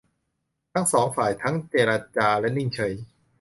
ทั้งสองฝ่ายทั้งเจรจาและนิ่งเฉย